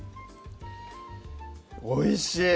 おいしい！